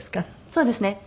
そうですね。